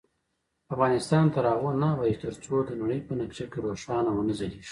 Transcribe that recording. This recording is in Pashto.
افغانستان تر هغو نه ابادیږي، ترڅو د نړۍ په نقشه کې روښانه ونه ځلیږو.